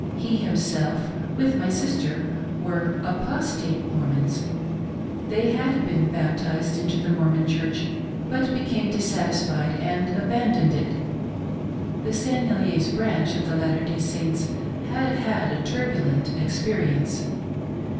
He him self, with my sister, were " Apostate " Mormons. They had been baptized into the Mormon Church, but became dissatis fied and abandoned it. The St. Heliers' branch of the Latter day Saints had had a turbulent experience.